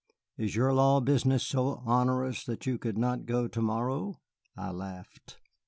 Is your law business so onerous that you could not go to morrow?" I laughed.